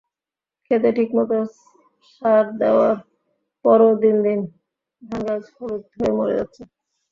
খেতে ঠিকমতো সার দেওয়ার পরও দিন দিন ধানগাছ হলুদ হয়ে মরে যাচ্ছে।